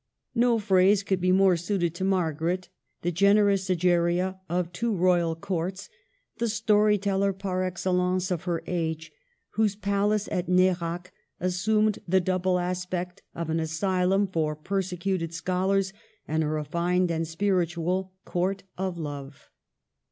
No phrase could be more suited to Margaret, the generous Egeria of two royal courts, the story teller par excellence of her age, whose palace at Nerac assumed the double aspect of an asy lum for persecuted scholars and a refined and spiritual Court of Love.